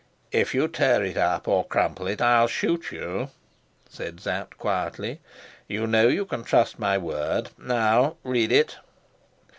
"If you tear it up, or crumple it, I'll shoot you," said Sapt quietly. "You know you can trust my word. Now read it."